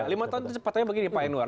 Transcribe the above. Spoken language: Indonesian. lima tahun itu cepetnya begini pak enwar